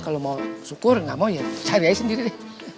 kalau mau syukur gak mau ya cari aja sendiri deh